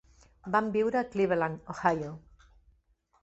Van viure a Cleveland, Ohio.